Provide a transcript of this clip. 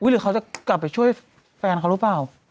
หรือเขาจะกลับไปช่วยแฟนเขาหรือเปล่า